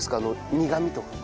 苦みとかは。